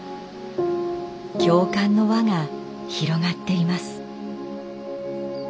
共感の輪が広がっています。